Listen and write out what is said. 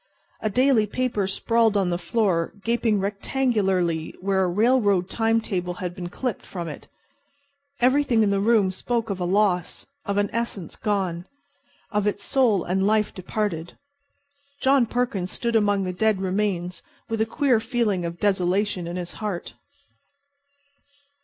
A daily paper sprawled on the floor, gaping rectangularly where a railroad time table had been clipped from it. Everything in the room spoke of a loss, of an essence gone, of its soul and life departed. John Perkins stood among the dead remains with a queer feeling of desolation in his heart.